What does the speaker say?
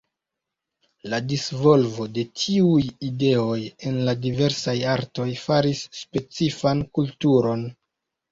La disvolvo de tiuj ideoj en la diversaj artoj faris specifan kulturon.